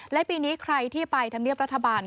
และปีนี้ใครที่ไปทำเนียบรัฐบาล